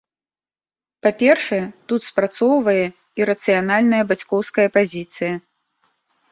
Па-першае, тут спрацоўвае і рацыянальная бацькоўская пазіцыя.